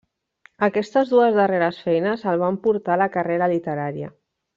Aquestes dues darreres feines el van portar a la carrera literària.